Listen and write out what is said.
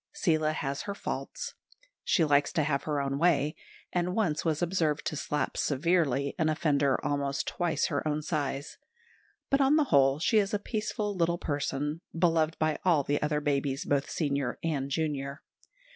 Seela has her faults. She likes to have her own way, and once was observed to slap severely an offender almost twice her own size; but on the whole she is a peaceful little person, beloved by all the other babies, both senior and junior.